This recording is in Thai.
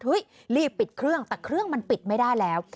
รีบปิดเครื่องแต่เครื่องมันปิดไม่ได้แล้ว